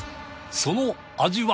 その味は！？